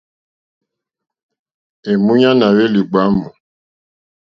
Èmúɲánà à hwélì ɡbwámù.